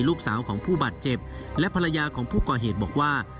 ลูกสาวของผู้บาดเจ็บและภรรยาของผู้ก่อเหตุบอกว่า